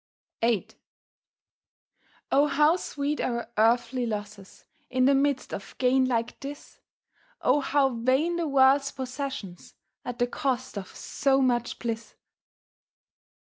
VIII O how sweet our earthly losses, In the midst of gain like this! O how vain the world's possessions, At the cost of so much bliss!